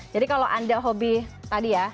jadi kalau anda hobi tadi ya